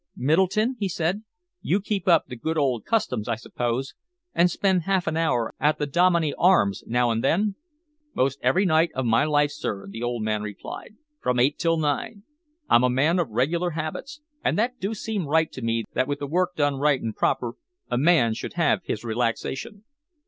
"Middleton," he said, "you keep up the good old customs, I suppose, and spend half an hour at the 'Dominey Arms' now and then?" "Most every night of my life, sir," the old man replied, "from eight till nine. I'm a man of regular habits, and that do seem right to me that with the work done right and proper a man should have his relaxation."